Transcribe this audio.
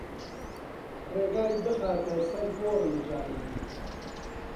ڕێگای بخاتە سەر گۆڕم جارێ